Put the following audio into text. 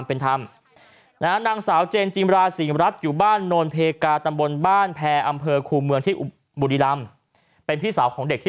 โอ้โหรีย์เร่ยด